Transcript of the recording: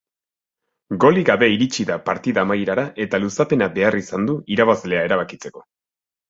Golik gabe iritsi da partida amaierara eta luzapena behar izan du irabazlea erabakitzeko.